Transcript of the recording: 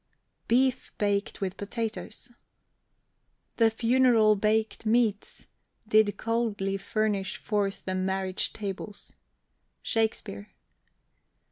BEEF BAKED WITH POTATOES. The funeral bak'd meats Did coldly furnish forth the marriage tables. SHAKSPEARE.